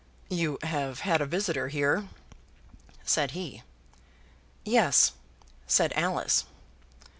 "You have had a visitor here?" said he. "Yes," said Alice.